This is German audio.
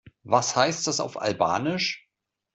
Was heißt das auf Albanisch?